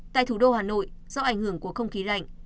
tại thủ đô hà nội do ảnh hưởng của không khí lạnh